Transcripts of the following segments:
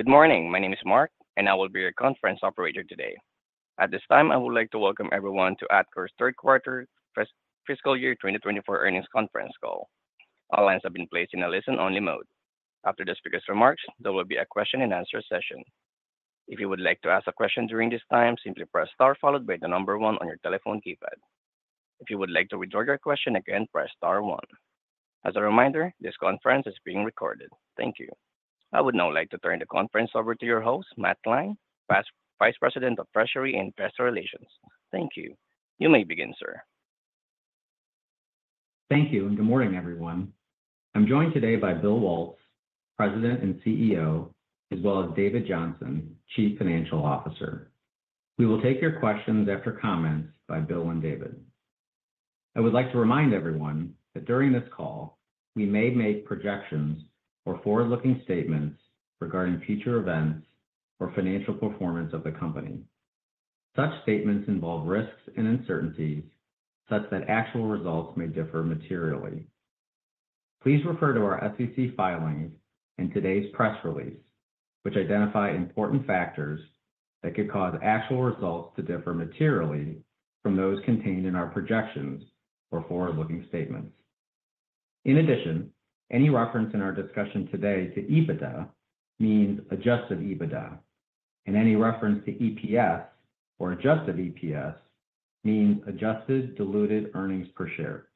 Good morning. My name is Mark, and I will be your conference operator today. At this time, I would like to welcome everyone to Atkore's third quarter fiscal year 2024 earnings conference call. All lines have been placed in a listen-only mode. After the speaker's remarks, there will be a question and answer session. If you would like to ask a question during this time, simply press star, followed by the number one on your telephone keypad. If you would like to withdraw your question, again, press star one. As a reminder, this conference is being recorded. Thank you. I would now like to turn the conference over to your host, Matt Kline, Vice President of Treasury and Investor Relations. Thank you. You may begin, sir. Thank you, and good morning, everyone. I'm joined today by Bill Waltz, President and CEO, as well as David Johnson, Chief Financial Officer. We will take your questions after comments by Bill and David. I would like to remind everyone that during this call, we may make projections or forward-looking statements regarding future events or financial performance of the company. Such statements involve risks and uncertainties such that actual results may differ materially. Please refer to our SEC filings in today's press release, which identify important factors that could cause actual results to differ materially from those contained in our projections or forward-looking statements. In addition, any reference in our discussion today to EBITDA means adjusted EBITDA, and any reference to EPS or adjusted EPS means adjusted diluted earnings per share.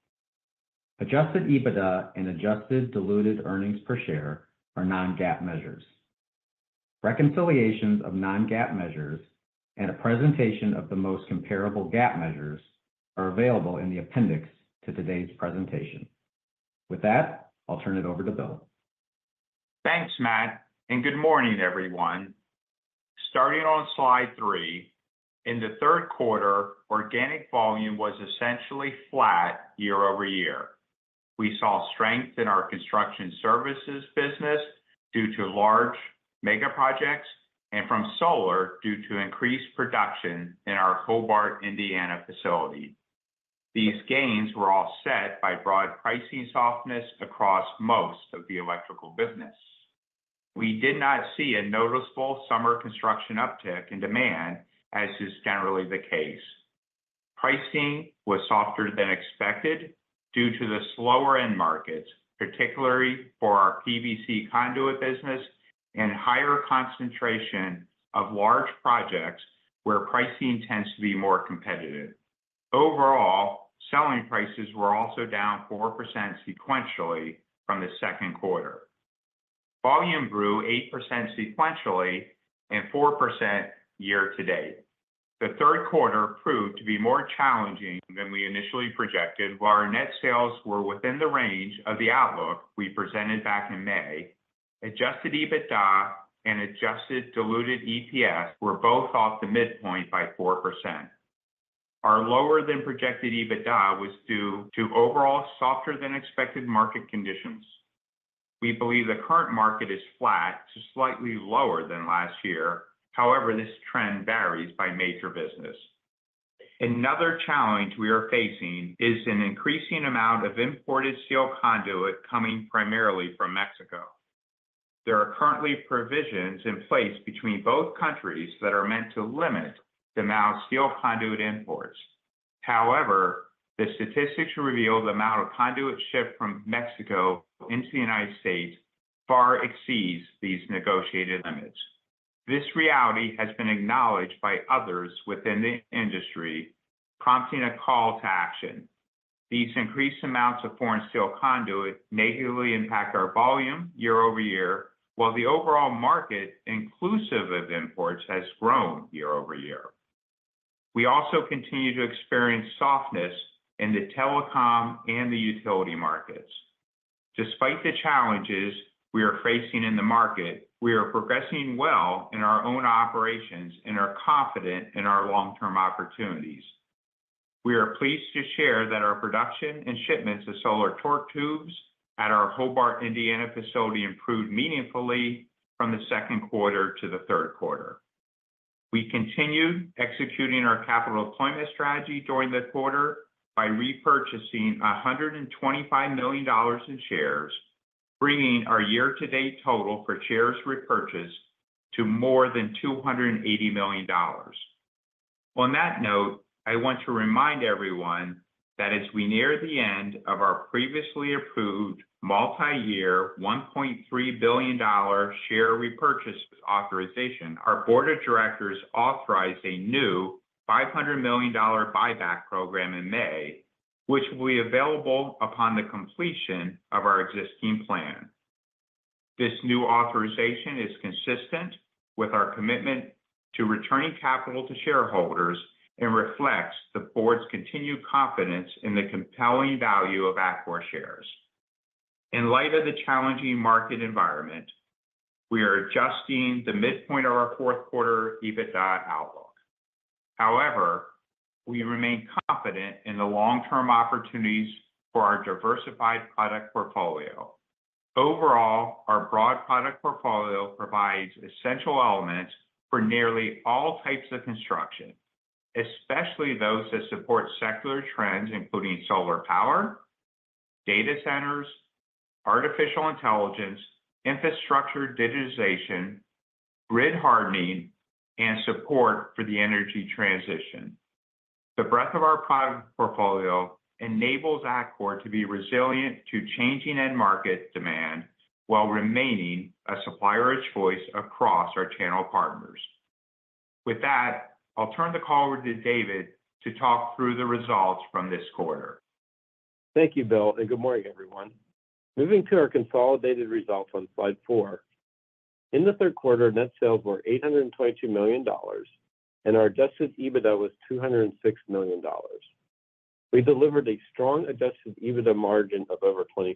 Adjusted EBITDA and adjusted diluted earnings per share are non-GAAP measures. Reconciliations of non-GAAP measures and a presentation of the most comparable GAAP measures are available in the appendix to today's presentation. With that, I'll turn it over to Bill. Thanks, Matt, and good morning, everyone. Starting on slide three, in the third quarter, organic volume was essentially flat year over year. We saw strength in our construction services business due to large mega projects and from solar due to increased production in our Hobart, Indiana, facility. These gains were offset by broad pricing softness across most of the electrical business. We did not see a noticeable summer construction uptick in demand, as is generally the case. Pricing was softer than expected due to the slower end markets, particularly for our PVC conduit business and higher concentration of large projects where pricing tends to be more competitive. Overall, selling prices were also down 4% sequentially from the second quarter. Volume grew 8% sequentially and 4% year to date. The third quarter proved to be more challenging than we initially projected. While our net sales were within the range of the outlook we presented back in May, Adjusted EBITDA and Adjusted Diluted EPS were both off the midpoint by 4%. Our lower than projected EBITDA was due to overall softer than expected market conditions. We believe the current market is flat to slightly lower than last year. However, this trend varies by major business. Another challenge we are facing is an increasing amount of imported steel conduit coming primarily from Mexico. There are currently provisions in place between both countries that are meant to limit the amount of steel conduit imports. However, the statistics reveal the amount of conduit shipped from Mexico into the United States far exceeds these negotiated limits. This reality has been acknowledged by others within the industry, prompting a call to action. These increased amounts of foreign steel conduit negatively impact our volume year-over-year, while the overall market, inclusive of imports, has grown year-over-year. We also continue to experience softness in the telecom and the utility markets. Despite the challenges we are facing in the market, we are progressing well in our own operations and are confident in our long-term opportunities. We are pleased to share that our production and shipments of solar torque tubes at our Hobart, Indiana, facility improved meaningfully from the second quarter to the third quarter. We continued executing our capital deployment strategy during the quarter by repurchasing $125 million in shares, bringing our year-to-date total for shares repurchased to more than $280 million. On that note, I want to remind everyone that as we near the end of our previously approved multi-year, $1.3 billion share repurchase authorization, our board of directors authorized a new $500 million buyback program in May, which will be available upon the completion of our existing plan. This new authorization is consistent with our commitment to returning capital to shareholders and reflects the board's continued confidence in the compelling value of Atkore shares. In light of the challenging market environment, we are adjusting the midpoint of our fourth quarter EBITDA outlook. However, we remain confident in the long-term opportunities for our diversified product portfolio. Overall, our broad product portfolio provides essential elements for nearly all types of construction, especially those that support secular trends, including solar power, data centers, artificial intelligence, infrastructure digitization, grid hardening, and support for the energy transition. The breadth of our product portfolio enables Atkore to be resilient to changing end market demand while remaining a supplier of choice across our channel partners. With that, I'll turn the call over to David to talk through the results from this quarter. Thank you, Bill, and good morning, everyone. Moving to our consolidated results on slide four. In the third quarter, net sales were $822 million, and our Adjusted EBITDA was $206 million. We delivered a strong Adjusted EBITDA margin of over 25%.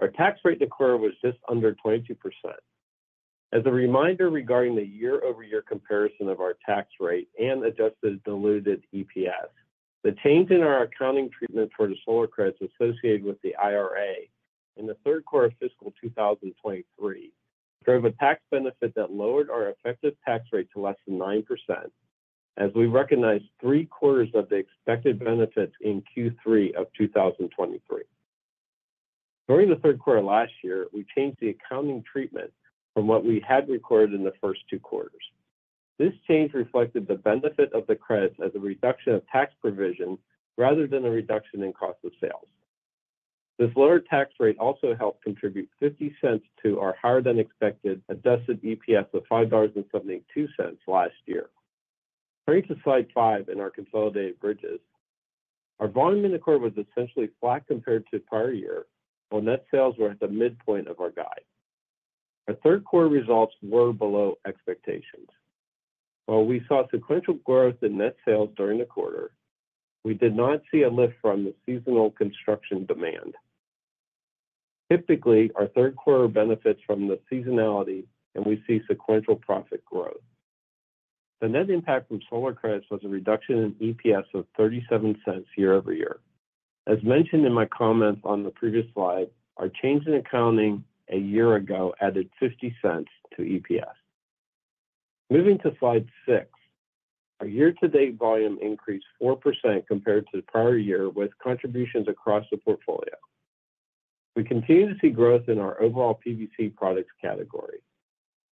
Our declared tax rate was just under 22%. As a reminder, regarding the year-over-year comparison of our tax rate and adjusted diluted EPS, the change in our accounting treatment for the solar credits associated with the IRA in the third quarter of fiscal 2023, drove a tax benefit that lowered our effective tax rate to less than 9%, as we recognized three-quarters of the expected benefits in Q3 of 2023. During the third quarter last year, we changed the accounting treatment from what we had recorded in the first two quarters. This change reflected the benefit of the credits as a reduction of tax provision rather than a reduction in cost of sales. This lower tax rate also helped contribute $0.50 to our higher than expected adjusted EPS of $5.72 last year. Turning to slide five in our consolidated bridges. Our volume in the quarter was essentially flat compared to the prior year, while net sales were at the midpoint of our guide. Our third quarter results were below expectations. While we saw sequential growth in net sales during the quarter, we did not see a lift from the seasonal construction demand. Typically, our third quarter benefits from the seasonality, and we see sequential profit growth. The net impact from solar credits was a reduction in EPS of $0.37 year-over-year. As mentioned in my comments on the previous slide, our change in accounting a year ago added $0.50 to EPS. Moving to slide six, our year-to-date volume increased 4% compared to the prior year, with contributions across the portfolio. We continue to see growth in our overall PVC products category.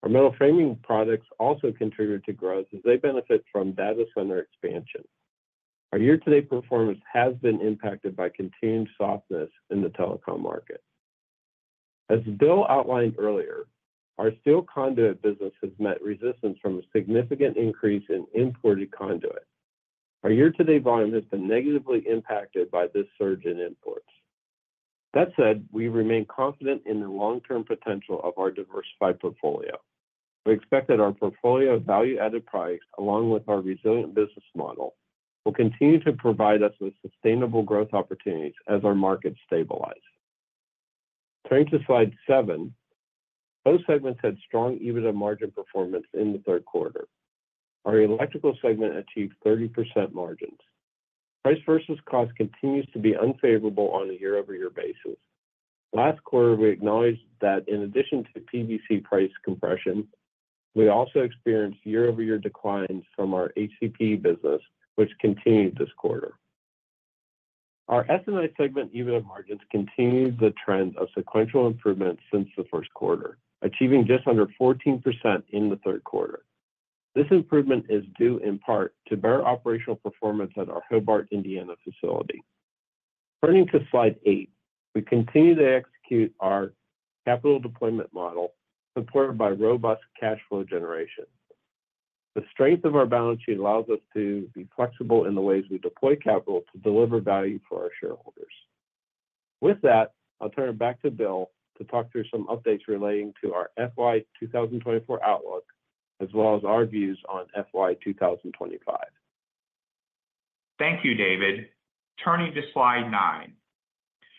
Our metal framing products also contributed to growth as they benefit from data center expansion. Our year-to-date performance has been impacted by continued softness in the telecom market. As Bill outlined earlier, our steel conduit business has met resistance from a significant increase in imported conduit. Our year-to-date volume has been negatively impacted by this surge in imports. That said, we remain confident in the long-term potential of our diversified portfolio. We expect that our portfolio of value-added products, along with our resilient business model, will continue to provide us with sustainable growth opportunities as our markets stabilize. Turning to slide seven, both segments had strong EBITDA margin performance in the third quarter. Our electrical segment achieved 30% margins. Price versus cost continues to be unfavorable on a year-over-year basis. Last quarter, we acknowledged that in addition to PVC price compression, we also experienced year-over-year declines from our HDPE business, which continued this quarter. Our S&I segment EBITDA margins continued the trend of sequential improvement since the first quarter, achieving just under 14% in the third quarter. This improvement is due in part to better operational performance at our Hobart, Indiana, facility. Turning to slide eight, we continue to execute our capital deployment model, supported by robust cash flow generation. The strength of our balance sheet allows us to be flexible in the ways we deploy capital to deliver value for our shareholders. With that, I'll turn it back to Bill to talk through some updates relating to our FY 2024 outlook, as well as our views on FY 2025. Thank you, David. Turning to slide nine.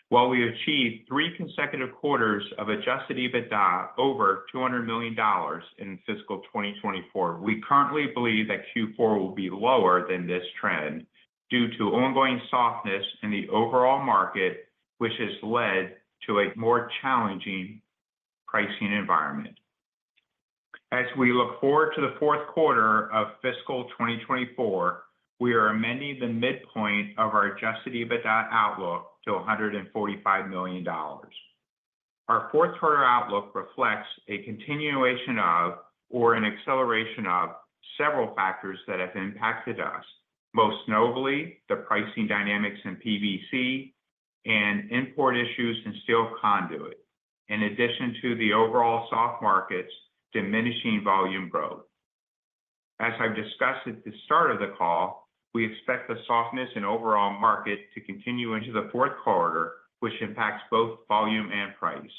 While we achieved three consecutive quarters of adjusted EBITDA over $200 million in fiscal 2024, we currently believe that Q4 will be lower than this trend due to ongoing softness in the overall market, which has led to a more challenging pricing environment. As we look forward to the fourth quarter of fiscal 2024, we are amending the midpoint of our adjusted EBITDA outlook to $145 million. Our fourth quarter outlook reflects a continuation of or an acceleration of several factors that have impacted us, most notably the pricing dynamics in PVC and import issues in steel conduit, in addition to the overall soft markets diminishing volume growth. As I've discussed at the start of the call, we expect the softness in overall market to continue into the fourth quarter, which impacts both volume and price.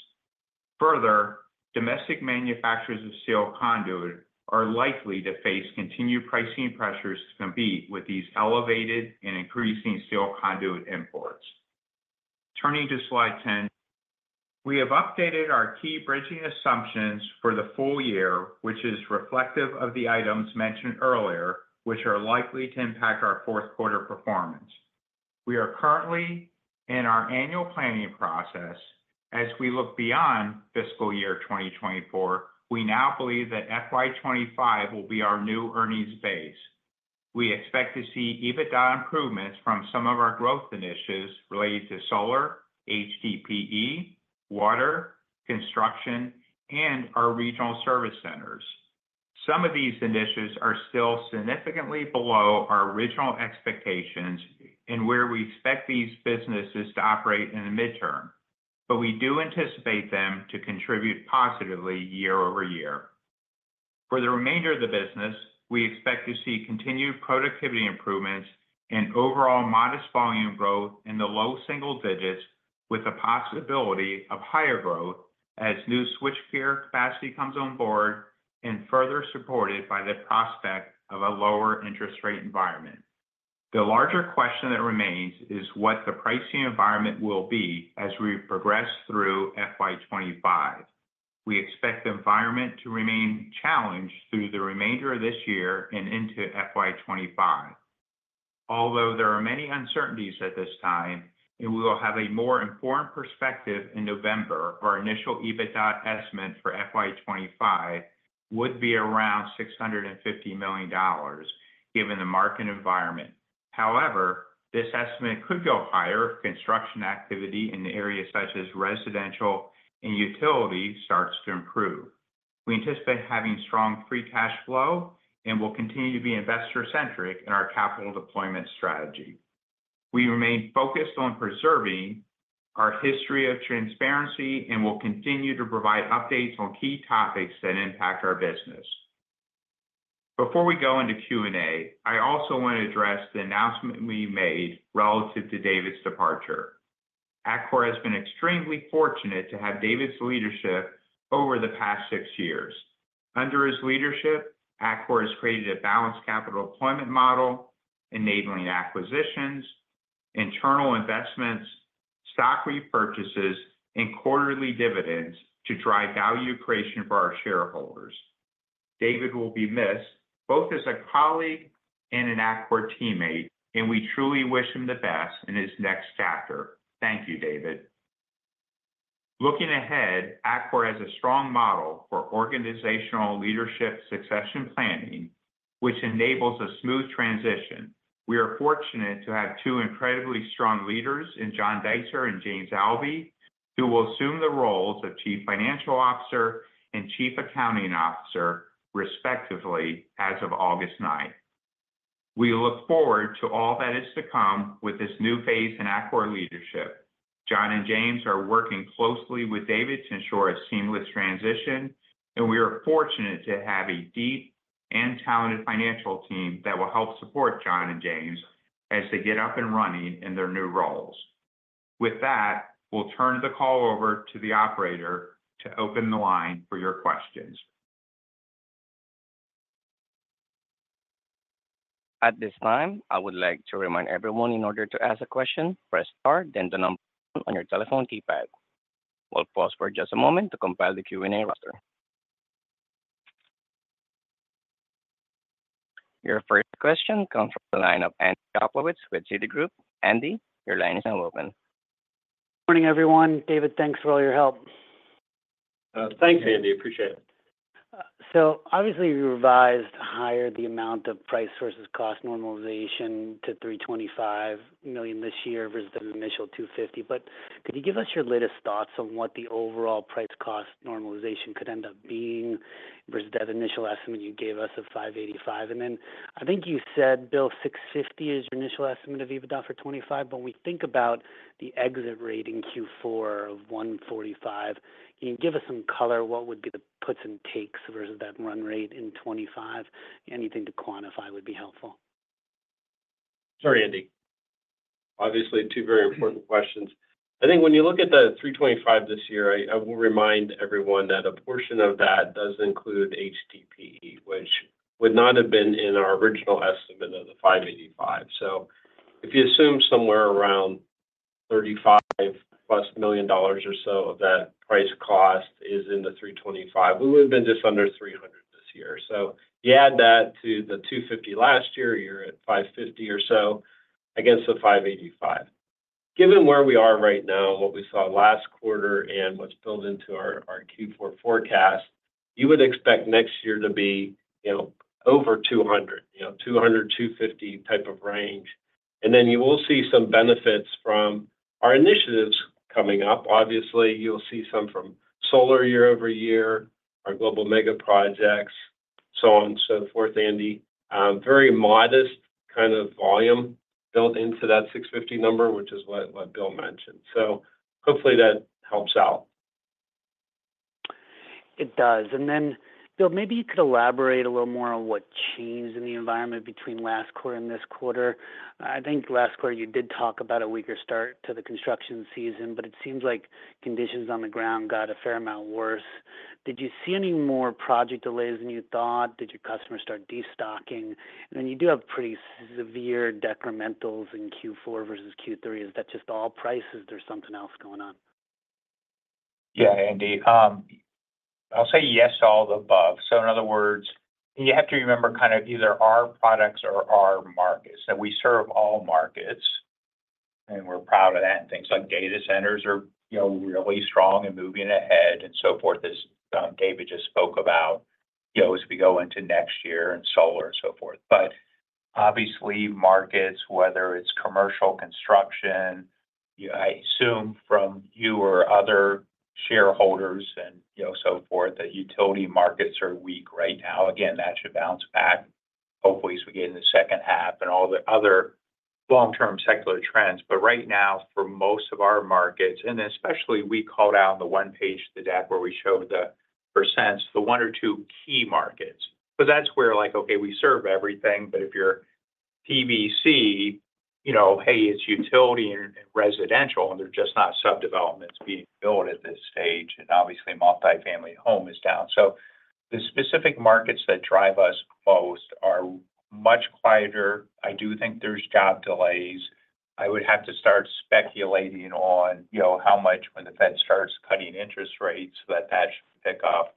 Further, domestic manufacturers of steel conduit are likely to face continued pricing pressures to compete with these elevated and increasing steel conduit imports. Turning to slide 10, we have updated our key bridging assumptions for the full year, which is reflective of the items mentioned earlier, which are likely to impact our fourth quarter performance. We are currently in our annual planning process. As we look beyond fiscal year 2024, we now believe that FY 2025 will be our new earnings base.... We expect to see EBITDA improvements from some of our growth initiatives related to solar, HDPE, water, construction, and our regional service centers. Some of these initiatives are still significantly below our original expectations and where we expect these businesses to operate in the midterm, but we do anticipate them to contribute positively year-over-year. For the remainder of the business, we expect to see continued productivity improvements and overall modest volume growth in the low single digits, with the possibility of higher growth as new switchgear capacity comes on board, and further supported by the prospect of a lower interest rate environment. The larger question that remains is what the pricing environment will be as we progress through FY 2025. We expect the environment to remain challenged through the remainder of this year and into FY 2025. Although there are many uncertainties at this time, and we will have a more informed perspective in November, our initial EBITDA estimate for FY 2025 would be around $650 million, given the market environment. However, this estimate could go higher if construction activity in areas such as residential and utility starts to improve. We anticipate having strong free cash flow and will continue to be investor-centric in our capital deployment strategy. We remain focused on preserving our history of transparency and will continue to provide updates on key topics that impact our business. Before we go into Q&A, I also want to address the announcement we made relative to David's departure. Atkore has been extremely fortunate to have David's leadership over the past six years. Under his leadership, Atkore has created a balanced capital deployment model, enabling acquisitions, internal investments, stock repurchases, and quarterly dividends to drive value creation for our shareholders. David will be missed, both as a colleague and an Atkore teammate, and we truly wish him the best in his next chapter. Thank you, David. Looking ahead, Atkore has a strong model for organizational leadership succession planning, which enables a smooth transition. We are fortunate to have two incredibly strong leaders in John Deitzer and James Alvey, who will assume the roles of Chief Financial Officer and Chief Accounting Officer, respectively, as of August ninth. We look forward to all that is to come with this new phase in Atkore leadership. John and James are working closely with David to ensure a seamless transition, and we are fortunate to have a deep and talented financial team that will help support John and James as they get up and running in their new roles. With that, we'll turn the call over to the operator to open the line for your questions. At this time, I would like to remind everyone, in order to ask a question, press star, then the number on your telephone keypad. We'll pause for just a moment to compile the Q&A roster. Your first question comes from the line of Andy Kaplowitz with Citigroup. Andy, your line is now open. Good morning, everyone. David, thanks for all your help. Thanks, Andy. Appreciate it. So obviously, you revised higher the amount of price versus cost normalization to $325 million this year versus the initial $250 million. But could you give us your latest thoughts on what the overall price cost normalization could end up being versus that initial estimate you gave us of $585 million? And then I think you said, Bill, $650 million is your initial estimate of EBITDA for 2025. When we think about the exit rate in Q4 of $145 million, can you give us some color? What would be the puts and takes versus that run rate in 2025? Anything to quantify would be helpful. Sorry, Andy. Obviously, two very important questions. I think when you look at the $325 this year, I, I will remind everyone that a portion of that does include HDPE, which would not have been in our original estimate of the $585. So if you assume somewhere around $35+ million or so of that price cost is in the $325, we would have been just under $300 this year. So you add that to the $250 last year, you're at $550 or so against the $585. Given where we are right now, what we saw last quarter and what's built into our, our Q4 forecast, you would expect next year to be, you know, over $200, you know, $200-$250 type of range. And then you will see some benefits from our initiatives coming up. Obviously, you'll see some from solar year over year, our global mega projects, so on and so forth, Andy. Very modest kind of volume built into that $650 number, which is what Bill mentioned. So hopefully that helps out. It does. And then, Bill, maybe you could elaborate a little more on what changed in the environment between last quarter and this quarter. I think last quarter you did talk about a weaker start to the construction season, but it seems like conditions on the ground got a fair amount worse. Did you see any more project delays than you thought? Did your customers start destocking? I mean, you do have pretty severe decrementals in Q4 versus Q3. Is that just all prices, or there's something else going on? Yeah, Andy, I'll say yes to all the above. So in other words, you have to remember, kind of, either our products or our markets, that we serve all markets... and we're proud of that, and things like data centers are, you know, really strong and moving ahead, and so forth, as David just spoke about, you know, as we go into next year, and solar and so forth. But obviously, markets, whether it's commercial construction, you know, I assume from you or other shareholders and, you know, so forth, that utility markets are weak right now. Again, that should bounce back hopefully as we get in the second half and all the other long-term secular trends. But right now, for most of our markets, and especially we called out on the one page, the deck where we showed the percents, the one or two key markets. So that's where like, okay, we serve everything, but if you're PVC, you know, hey, it's utility and residential, and they're just not subdivisions being built at this stage, and obviously, multifamily home is down. So the specific markets that drive us most are much quieter. I do think there's job delays. I would have to start speculating on, you know, how much when the Fed starts cutting interest rates, that should pick up,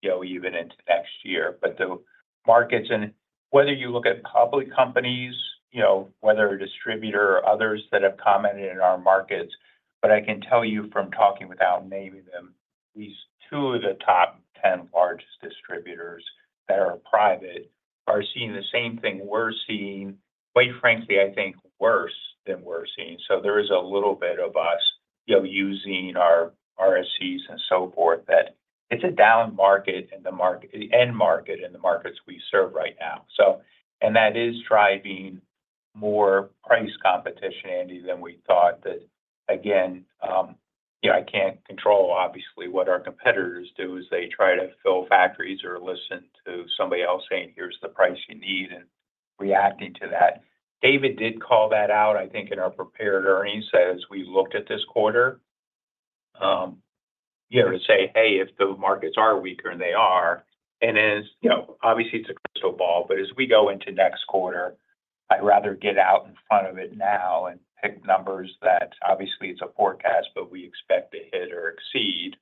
you know, even into next year. But the markets, and whether you look at public companies, you know, whether a distributor or others that have commented in our markets, but I can tell you from talking without naming them, at least two of the top 10 largest distributors that are private are seeing the same thing we're seeing. Quite frankly, I think worse than we're seeing. So there is a little bit of us, you know, using our RSCs and so forth, that it's a down market in the market—the end market, in the markets we serve right now. So, and that is driving more price competition, Andy, than we thought. That again, you know, I can't control obviously, what our competitors do as they try to fill factories or listen to somebody else saying, "Here's the price you need," and reacting to that. David did call that out, I think, in our prepared earnings as we looked at this quarter. You know, to say, "Hey, if the markets are weaker than they are," and as, you know, obviously it's a crystal ball, but as we go into next quarter, I'd rather get out in front of it now and pick numbers that obviously it's a forecast, but we expect to hit or exceed,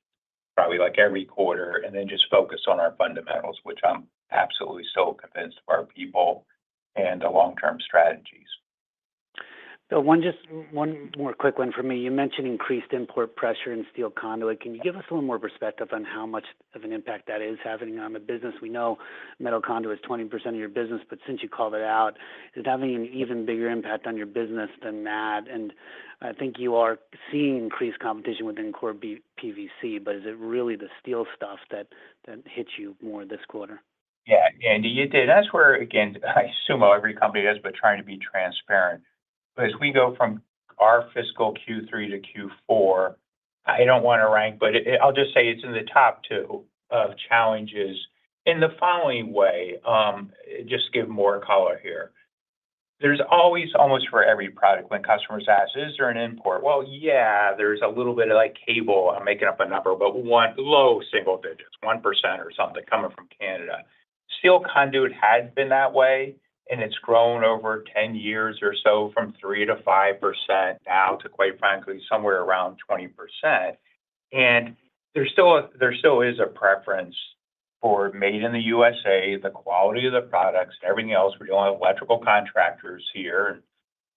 probably like every quarter, and then just focus on our fundamentals, which I'm absolutely so convinced of our people and the long-term strategies. So one, just one more quick one for me. You mentioned increased import pressure in steel conduit. Can you give us a little more perspective on how much of an impact that is having on the business? We know metal conduit is 20% of your business, but since you called it out, is it having an even bigger impact on your business than that? And I think you are seeing increased competition within core PVC, but is it really the steel stuff that, that hits you more this quarter? Yeah, Andy, you did. That's where, again, I assume every company is, but trying to be transparent. But as we go from our fiscal Q3 to Q4, I don't want to rank, but I'll just say it's in the top two challenges in the following way. Just give more color here. There's always, almost for every product, when customers ask, "Is there an import?" Well, yeah, there's a little bit of, like, cable. I'm making up a number, but low single digits, 1% or something coming from Canada. Steel conduit has been that way, and it's grown over 10 years or so from 3%-5% now to, quite frankly, somewhere around 20%. And there's still a, there still is a preference for made in the U.S.A., the quality of the products and everything else. We're dealing with electrical contractors here,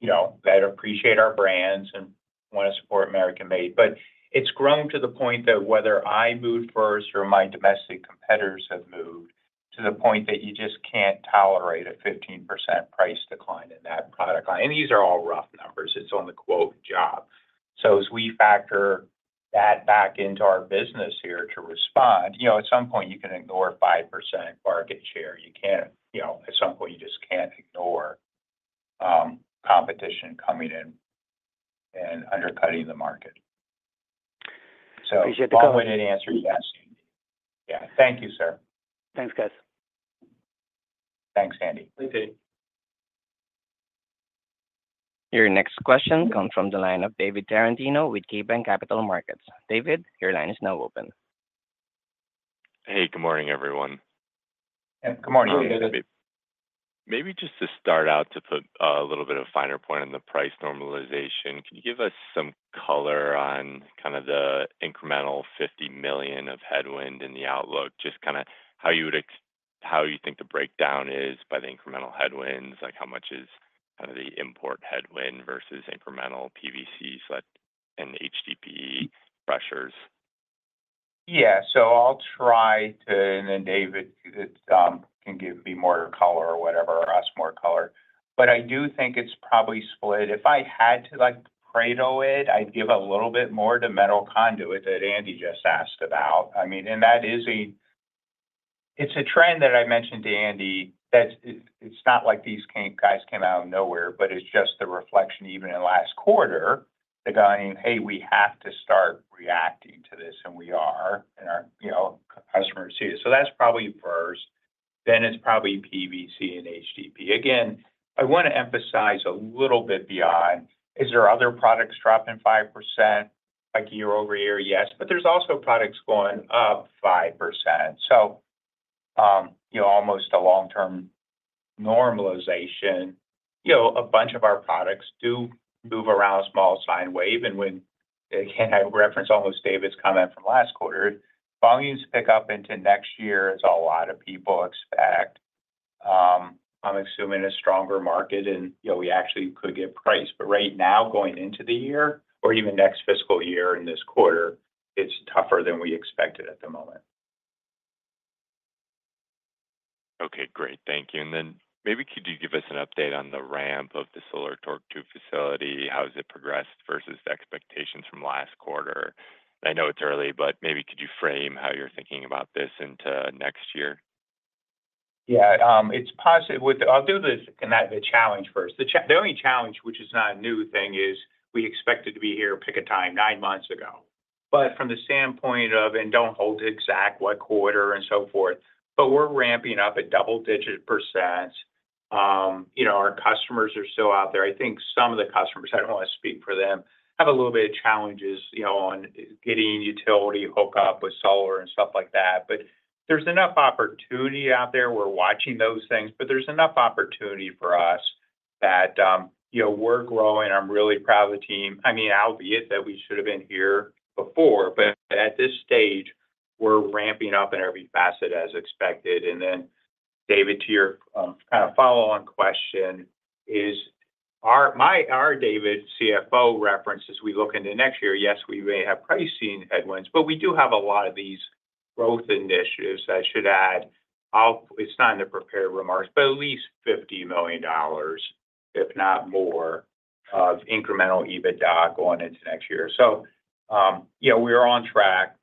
you know, that appreciate our brands and want to support American-made. But it's grown to the point that whether I moved first or my domestic competitors have moved, to the point that you just can't tolerate a 15% price decline in that product line. And these are all rough numbers. It's on the quote, job. So as we factor that back into our business here to respond, you know, at some point, you can ignore 5% market share. You can't, you know, at some point, you just can't ignore competition coming in and undercutting the market. Appreciate the- So long-winded answer to that, Andy. Yeah, thank you, sir. Thanks, guys. Thanks, Andy. Thanks, David. Your next question comes from the line of David Tarantino with KeyBanc Capital Markets. David, your line is now open. Hey, good morning, everyone. Good morning, David. Maybe just to start out, to put a little bit of finer point on the price normalization, can you give us some color on kind of the incremental $50 million of headwind in the outlook? Just kinda how you think the breakdown is by the incremental headwinds, like, how much is kind of the import headwind versus incremental PVC such, and HDPE pressures? Yeah. So I'll try to, and then David can give me more color or whatever, or ask more color. But I do think it's probably split. If I had to, like, Pareto it, I'd give a little bit more to metal conduit that Andy just asked about. I mean, and that is—it's a trend that I mentioned to Andy, that it's not like these guys came out of nowhere, but it's just a reflection, even in last quarter, that going, "Hey, we have to start reacting to this," and we are, and our, you know, customers see it. So that's probably first, then it's probably PVC and HDPE. Again, I want to emphasize a little bit beyond, is there other products dropping 5%, like, year-over-year? Yes, but there's also products going up 5%. So, you know, almost a long-term normalization. You know, a bunch of our products do move around a small sine wave. And when, again, I reference almost David's comment from last quarter, volumes pick up into next year, as a lot of people expect. I'm assuming a stronger market and, you know, we actually could get price. But right now, going into the year or even next fiscal year in this quarter, it's tougher than we expected at the moment. Okay, great. Thank you. And then maybe could you give us an update on the ramp of the solar torque tube facility? How has it progressed versus the expectations from last quarter? I know it's early, but maybe could you frame how you're thinking about this into next year? Yeah, it's positive. With-- I'll do this and that, the challenge first. The only challenge, which is not a new thing, is we expected to be here, pick a time, nine months ago. But from the standpoint of, and don't hold exact what quarter and so forth, but we're ramping up at double-digit %. You know, our customers are still out there. I think some of the customers, I don't want to speak for them, have a little bit of challenges, you know, on getting utility hookup with solar and stuff like that, but there's enough opportunity out there. We're watching those things, but there's enough opportunity for us that, you know, we're growing. I'm really proud of the team. I mean, albeit that we should have been here before, but at this stage, we're ramping up in every facet as expected. Then, David, to your kind of follow-on question is, our David CFO references, we look into next year, yes, we may have pricing headwinds, but we do have a lot of these growth initiatives. I should add, it's not in the prepared remarks, but at least $50 million, if not more, of incremental EBITDA going into next year. So, you know, we are on track,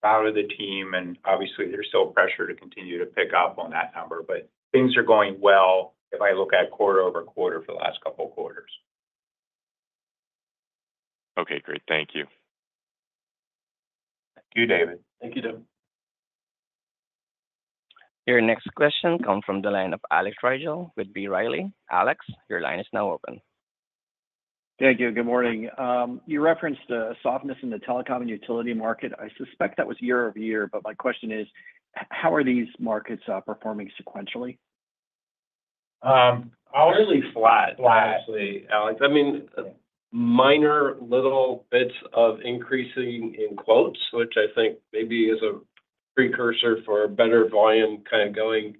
proud of the team, and obviously there's still pressure to continue to pick up on that number, but things are going well if I look at quarter-over-quarter for the last couple of quarters. Okay, great. Thank you. Thank you, David. Thank you, David. Your next question comes from the line of Alex Rygiel with B. Riley. Alex, your line is now open. Thank you. Good morning. You referenced a softness in the telecom and utility market. I suspect that was year-over-year, but my question is, how are these markets performing sequentially? Honestly flat- Flat... honestly, Alex. I mean, minor little bits of increasing in quotes, which I think maybe is a precursor for better volume kind of going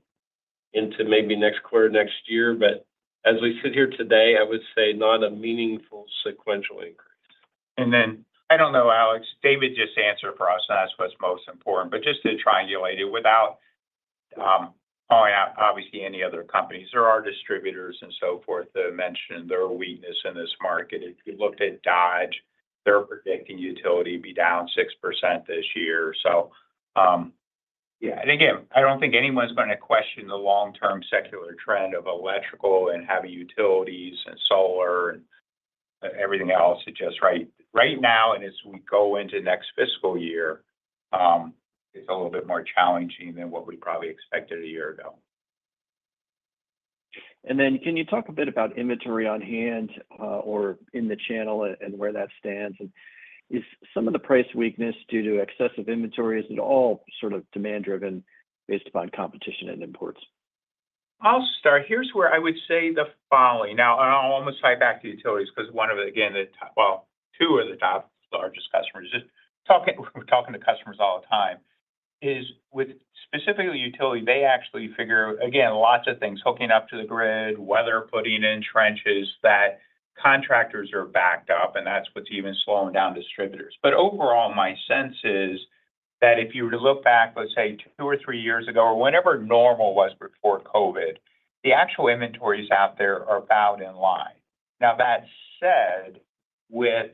into maybe next quarter, next year. But as we sit here today, I would say not a meaningful sequential increase. And then, I don't know, Alex, David just answered for us, and that's what's most important. But just to triangulate it, without calling out obviously any other companies, there are distributors and so forth that have mentioned there are weakness in this market. If you looked at Dodge, they're predicting utility to be down 6% this year. So, yeah, and again, I don't think anyone's going to question the long-term secular trend of electrical and heavy utilities and solar and everything else. It's just right, right now, and as we go into next fiscal year, it's a little bit more challenging than what we probably expected a year ago. And then can you talk a bit about inventory on hand, or in the channel and, and where that stands? And is some of the price weakness due to excessive inventory? Is it all sort of demand-driven based upon competition and imports? I'll start. Here's where I would say the following. Now, and I'll almost tie back to utilities because one of, again, the top. Well, two of the top largest customers, just talking, talking to customers all the time, is with specifically utility. They actually figure, again, lots of things, hooking up to the grid, weather, putting in trenches, that contractors are backed up, and that's what's even slowing down distributors. But overall, my sense is that if you were to look back, let's say, two or three years ago or whenever normal was before COVID, the actual inventories out there are about in line. Now, that said, with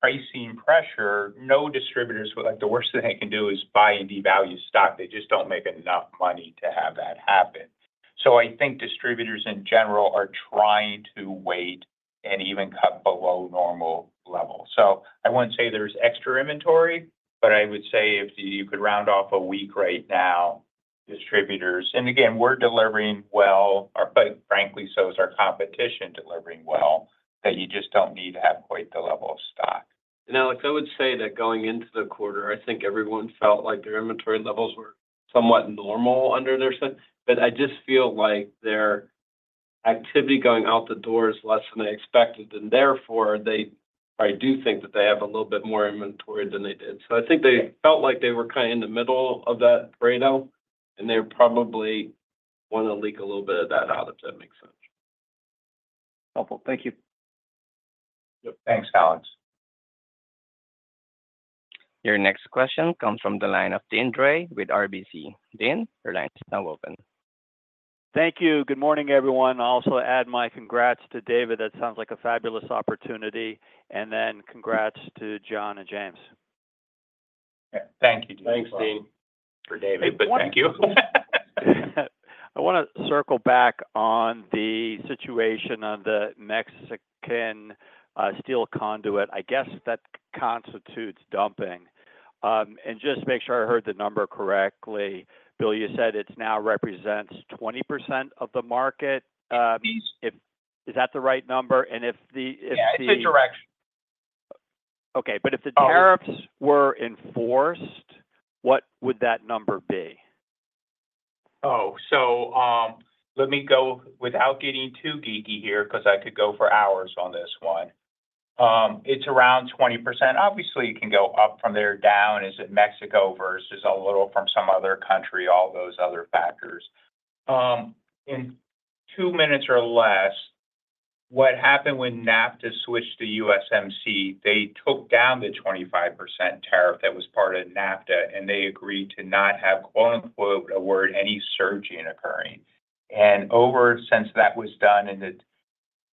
pricing pressure, no distributors. Well, like the worst thing they can do is buy and devalue stock. They just don't make enough money to have that happen.I think distributors in general are trying to wait and even cut below normal levels. I wouldn't say there's extra inventory, but I would say if you could round off a week right now, distributors, and again, we're delivering well, but frankly, so is our competition delivering well, that you just don't need to have quite the level of stock. Alex, I would say that going into the quarter, I think everyone felt like their inventory levels were somewhat normal under their sense, but I just feel like their activity going out the door is less than they expected, and therefore, I do think that they have a little bit more inventory than they did. So I think they felt like they were kind of in the middle of that right now, and they probably want to leak a little bit of that out, if that makes sense. Helpful. Thank you. Yep. Thanks, Alex. Your next question comes from the line of Deane Dray with RBC. Deane, your line is now open. Thank you. Good morning, everyone. I'll also add my congrats to David. That sounds like a fabulous opportunity, and then congrats to John and James. Thank you, Deane. Thanks, Dean. For David. Thank you. I want to circle back on the situation on the Mexican steel conduit. I guess that constitutes dumping. Just make sure I heard the number correctly. Bill, you said it now represents 20% of the market? Yes. Is that the right number? And if the Yeah, it's the direction. Okay, but if the tariffs were enforced, what would that number be? Oh, so, let me go without getting too geeky here, 'cause I could go for hours on this one.... it's around 20%. Obviously, it can go up from there, down, is it Mexico versus a little from some other country, all those other factors. In two minutes or less, what happened when NAFTA switched to USMCA, they took down the 25% tariff that was part of NAFTA, and they agreed to not have, quote-unquote, a word, any surging occurring. And over, since that was done,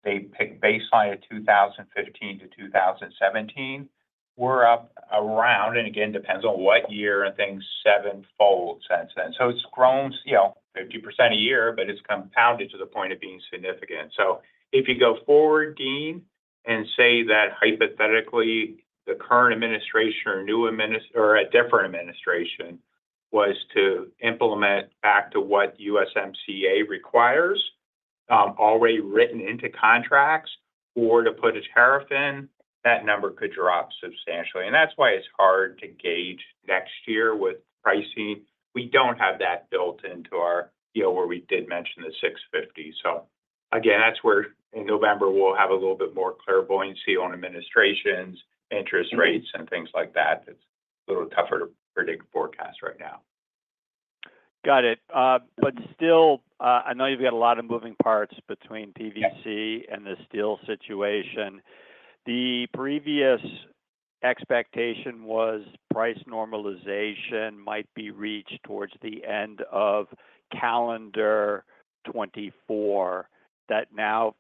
they picked baseline of 2015 to 2017, we're up around, and again, depends on what year and things, sevenfold since then. So it's grown, you know, 50% a year, but it's compounded to the point of being significant. So if you go forward, Dean, and say that hypothetically, the current administration or new administration or a different administration was to implement back to what USMCA requires, already written into contracts or to put a tariff in, that number could drop substantially. And that's why it's hard to gauge next year with pricing. We don't have that built into our, you know, where we did mention the $650. So again, that's where in November, we'll have a little bit more clairvoyance on administrations, interest rates, and things like that. It's a little tougher to predict forecast right now. Got it. But still, I know you've got a lot of moving parts between PVC and the steel situation. The previous expectation was price normalization might be reached towards the end of calendar 2024. That now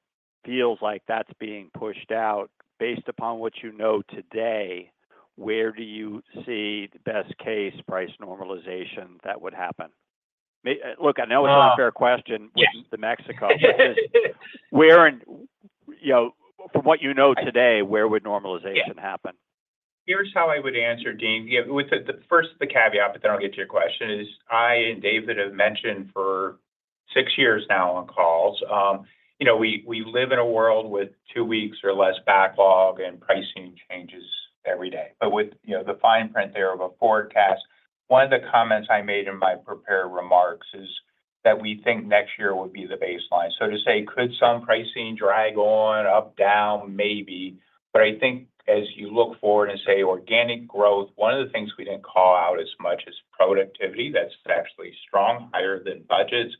feels like that's being pushed out. Based upon what you know today, where do you see the best-case price normalization that would happen? Look, I know it's not a fair question- Yeah with the Mexico. Where in, you know, from what you know today, where would normalization happen? Here's how I would answer, Dean. Yeah, with the first caveat, but then I'll get to your question, is I and David have mentioned for six years now on calls, you know, we live in a world with two weeks or less backlog, and pricing changes every day. But with, you know, the fine print there of a forecast, one of the comments I made in my prepared remarks is that we think next year will be the baseline. So to say, could some pricing drag on, up, down? Maybe. But I think as you look forward and say, organic growth, one of the things we didn't call out as much is productivity. That's actually strong, higher than budgets.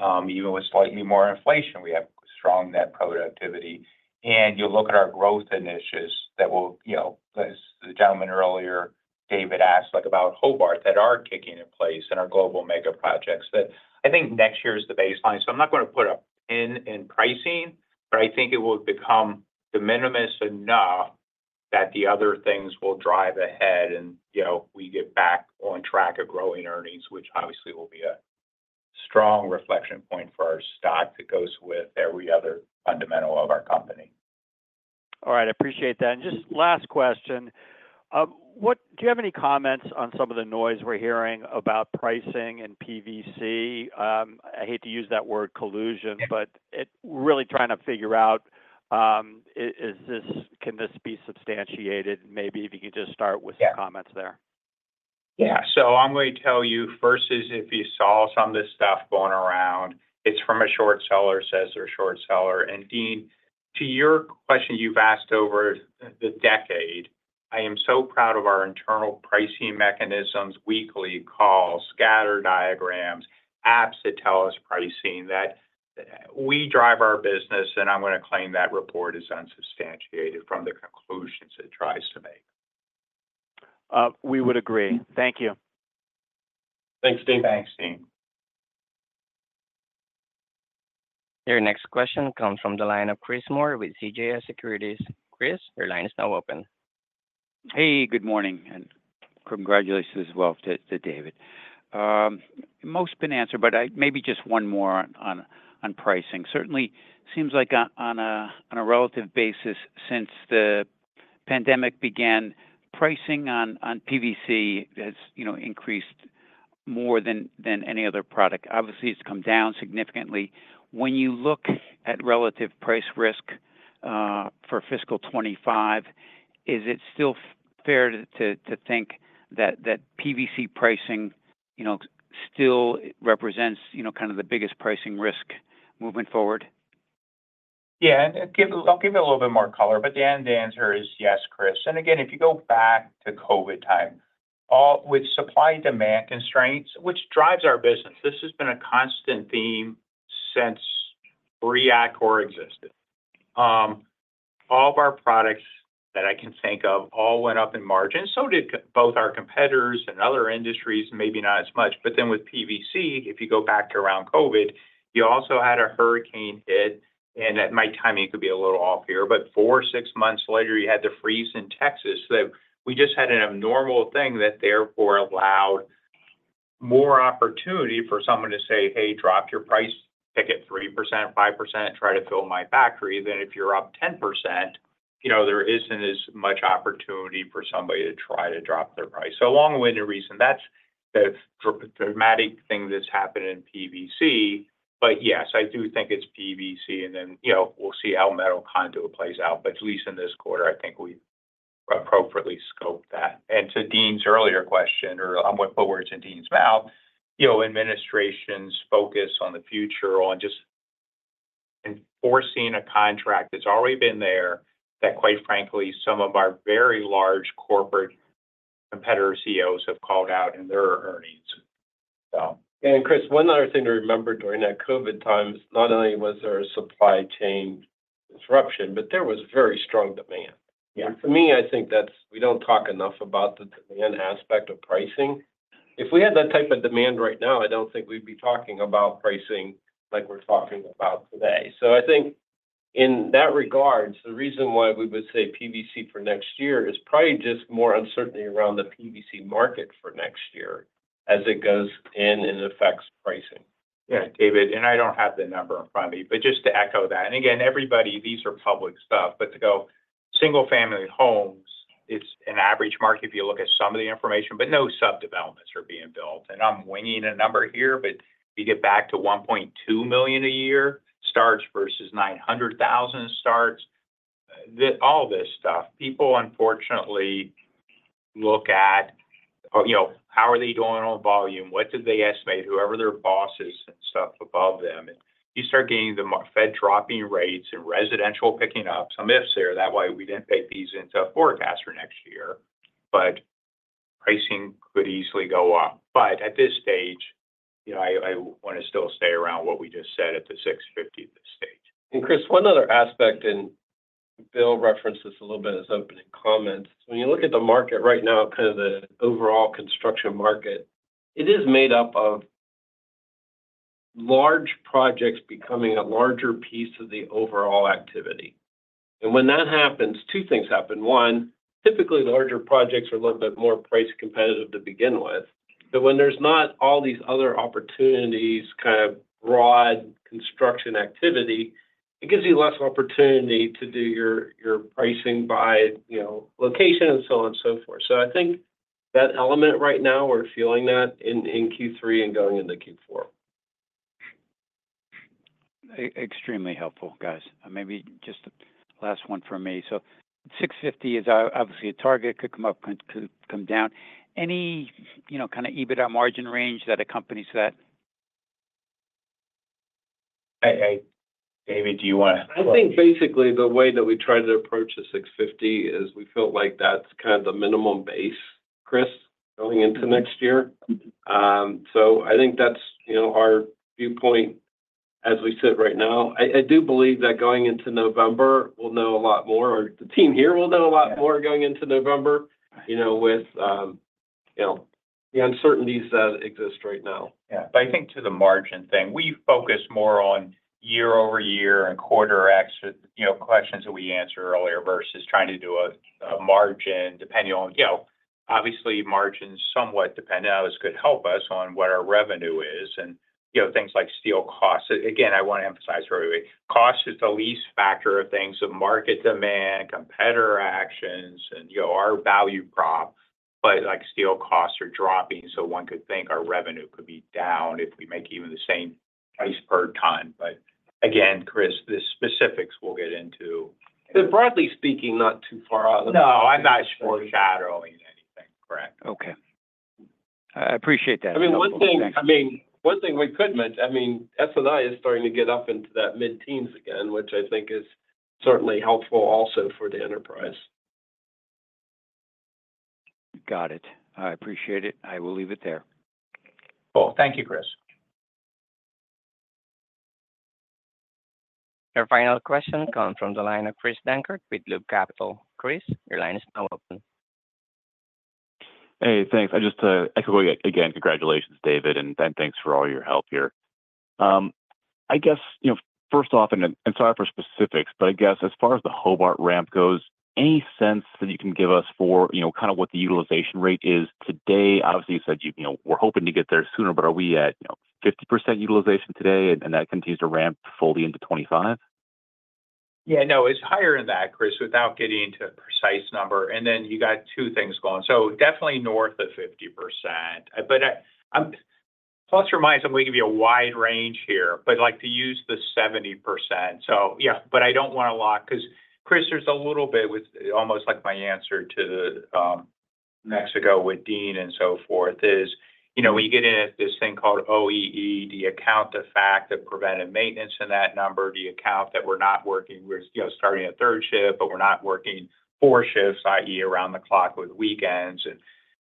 Even with slightly more inflation, we have strong net productivity, and you look at our growth initiatives that will, you know...As the gentleman earlier, David, asked, like, about Hobart that are kicking in place in our global mega projects, that I think next year is the baseline. So I'm not going to put a pin in pricing, but I think it will become de minimis enough that the other things will drive ahead, and, you know, we get back on track of growing earnings, which obviously will be a strong reflection point for our stock that goes with every other fundamental of our company. All right, I appreciate that. Just last question. What do you have any comments on some of the noise we're hearing about pricing and PVC? I hate to use that word collusion, but really trying to figure out can this be substantiated? Maybe if you could just start with- Yeah - your comments there. Yeah. So I'm going to tell you, first is, if you saw some of this stuff going around, it's from a short seller, says they're a short seller. And, Deane, to your question, you've asked over the decade, I am so proud of our internal pricing mechanisms, weekly calls, scatter diagrams, apps that tell us pricing, that we drive our business, and I'm going to claim that report is unsubstantiated from the conclusions it tries to make. We would agree. Thank you. Thanks, Dean. Thanks, Deane. Your next question comes from the line of Chris Moore with CJS Securities. Chris, your line is now open. Hey, good morning, and congratulations as well to David. Most been answered, but maybe just one more on pricing. Certainly seems like on a relative basis, since the pandemic began, pricing on PVC has, you know, increased more than any other product. Obviously, it's come down significantly. When you look at relative price risk for fiscal 25, is it still fair to think that PVC pricing, you know, still represents, you know, kind of the biggest pricing risk moving forward? Yeah, I'll give it a little bit more color, but the end answer is yes, Chris. And again, if you go back to COVID time, with supply-demand constraints, which drives our business, this has been a constant theme since Atkore existed. All of our products that I can think of all went up in margin, so did both our competitors and other industries, maybe not as much. But then with PVC, if you go back to around COVID, you also had a hurricane hit, and my timing could be a little off here, but 4-6 months later, you had the freeze in Texas. So we just had an abnormal thing that therefore allowed more opportunity for someone to say, "Hey, drop your price, take it 3%, 5%, try to fill my factory." Then, if you're up 10%, you know, there isn't as much opportunity for somebody to try to drop their price. So long-winded reason, that's the dramatic thing that's happened in PVC. But yes, I do think it's PVC, and then, you know, we'll see how metal conduit plays out, but at least in this quarter, I think we appropriately scope that. And to Deane's earlier question, or I'm gonna put words in Deane's mouth, you know, administration's focus on the future or on just enforcing a contract that's already been there, that quite frankly, some of our very large corporate competitor CEOs have called out in their earnings. So- Chris, one other thing to remember during that COVID times, not only was there a supply chain disruption, but there was very strong demand. Yeah. For me, I think we don't talk enough about the demand aspect of pricing. If we had that type of demand right now, I don't think we'd be talking about pricing like we're talking about today. So I think in that regards, the reason why we would say PVC for next year is probably just more uncertainty around the PVC market for next year as it goes in and affects pricing. Yeah, David, and I don't have the number in front of me, but just to echo that, and again, everybody, these are public stuff, but to go single-family homes, it's an average market if you look at some of the information, but no sub developments are being built. And I'm winging a number here, but if you get back to 1.2 million a year starts versus 900,000 starts, the, all this stuff, people unfortunately look at, you know, how are they doing on volume? What did they estimate? Whoever their boss is and stuff above them. And you start getting the Fed dropping rates and residential picking up, some ifs there. That way, we didn't take these into a forecast for next year, but pricing could easily go up. But at this stage, you know, I wanna still stay around what we just said at the 650 at this stage. Chris, one other aspect, and Bill referenced this a little bit as opening comments. When you look at the market right now, kind of the overall construction market, it is made up of large projects becoming a larger piece of the overall activity. And when that happens, two things happen: one, typically, the larger projects are a little bit more price competitive to begin with. So when there's not all these other opportunities, kind of broad construction activity, it gives you less opportunity to do your pricing by, you know, location and so on and so forth. So I think that element right now, we're feeling that in Q3 and going into Q4. Extremely helpful, guys. Maybe just the last one for me. So $650 is obviously a target, could come up, could come down. Any, you know, kind of EBITDA margin range that accompanies that? David, do you wanna- I think basically the way that we try to approach the $650 is we feel like that's kind of the minimum base, Chris, going into next year. So I think that's, you know, our viewpoint as we sit right now. I do believe that going into November, we'll know a lot more, or the team here will know a lot more going into November, you know, with, you know, the uncertainties that exist right now. Yeah. But I think to the margin thing, we focus more on year-over-year and quarter X, you know, questions that we answered earlier, versus trying to do a margin, depending on... You know, obviously, margins somewhat depend on this could help us on what our revenue is, and, you know, things like steel costs. Again, I wanna emphasize for everybody, cost is the least factor of things, the market demand, competitor actions, and, you know, our value prop. But like steel costs are dropping, so one could think our revenue could be down if we make even the same price per ton. But again, Chris, the specifics we'll get into- Broadly speaking, not too far off. No, I'm not foreshadowing anything. Correct. Okay. I appreciate that. I mean, one thing- Thanks. I mean, one thing we could mention, I mean, S&I is starting to get up into that mid-teens again, which I think is certainly helpful also for the enterprise. Got it. I appreciate it. I will leave it there. Cool. Thank you, Chris. Your final question comes from the line of Chris Dankert with Loop Capital. Chris, your line is now open. Hey, thanks. I just echo again, congratulations, David, and thanks for all your help here. I guess, you know, first off, and sorry for specifics, but I guess as far as the Hobart ramp goes, any sense that you can give us for, you know, kind of what the utilization rate is today? Obviously, you said, you know, we're hoping to get there sooner, but are we at, you know, 50% utilization today, and that continues to ramp fully into 2025? Yeah, no, it's higher than that, Chris, without getting into a precise number. Then you got two things going. So definitely north of 50%. But, I'm going to give you a wide range here, but like to use the 70%. So yeah, but I don't want to lock because, Chris, there's a little bit with almost like my answer to the Mexico with Deane and so forth, is, you know, when you get into this thing called OEE, do you count the fact of preventive maintenance in that number? Do you count that we're not working, we're, you know, starting a third shift, but we're not working 4 shifts, i.e., around the clock with weekends and,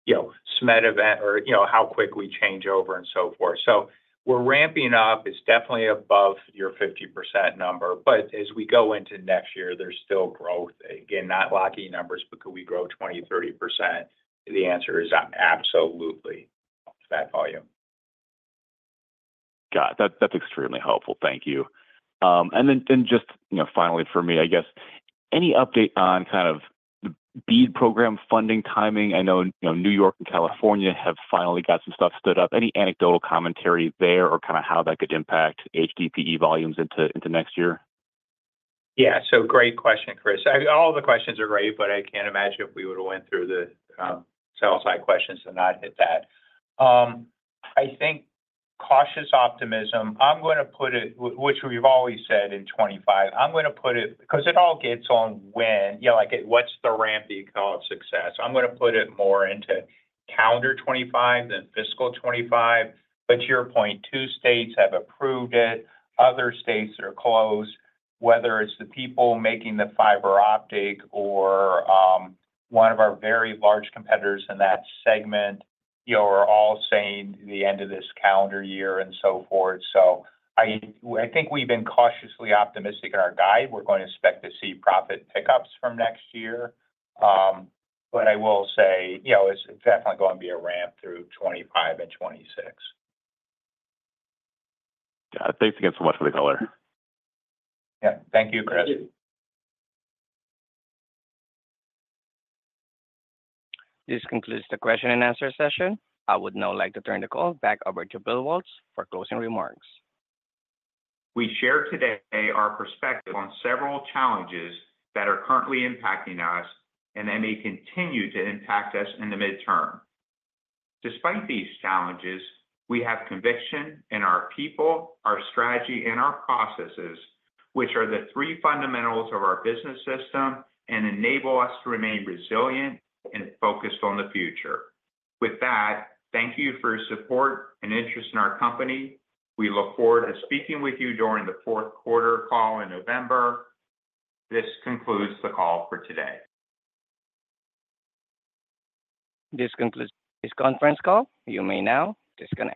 you know, SMED event or, you know, how quick we change over and so forth. So we're ramping up. It's definitely above your 50% number, but as we go into next year, there's still growth. Again, not locking numbers, but could we grow 20%-30%? The answer is absolutely to that volume. Got it. That's, that's extremely helpful. Thank you. And then, then just, you know, finally for me, I guess, any update on kind of the BEAD program funding timing? I know, you know, New York and California have finally got some stuff stood up. Any anecdotal commentary there or kind of how that could impact HDPE volumes into, into next year? Yeah, so great question, Chris. All the questions are great, but I can't imagine if we would have went through the sell side questions and not hit that. I think cautious optimism, which we've always said in 2025. I'm gonna put it more into calendar 2025 than fiscal 2025 because it all gets on when, you know, like, what's the ramp you call success? But to your point, two states have approved it, other states are closed. Whether it's the people making the fiber optic or one of our very large competitors in that segment, you know, are all saying the end of this calendar year and so forth. So I think we've been cautiously optimistic in our guide. We're going to expect to see profit pickups from next year. But I will say, you know, it's definitely going to be a ramp through 2025 and 2026. Yeah. Thanks again so much for the color. Yeah. Thank you, Chris. This concludes the question and answer session. I would now like to turn the call back over to Bill Waltz for closing remarks. We shared today our perspective on several challenges that are currently impacting us, and they may continue to impact us in the midterm. Despite these challenges, we have conviction in our people, our strategy, and our processes, which are the three fundamentals of our business system and enable us to remain resilient and focused on the future. With that, thank you for your support and interest in our company. We look forward to speaking with you during the fourth quarter call in November. This concludes the call for today. This concludes this conference call. You may now disconnect.